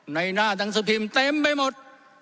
ในหน้าตังสภิมธ์เต็มไปหมด